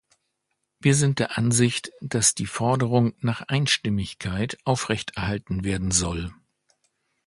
Wir sind der Ansicht, dass die Forderung nach Einstimmigkeit aufrechterhalten werden soll.